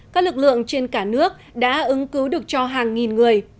các lực lượng trên cả nước đã ứng cứu được cho hàng nghìn người